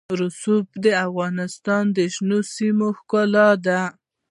رسوب د افغانستان د شنو سیمو ښکلا ده.